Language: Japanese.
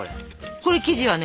これ生地はね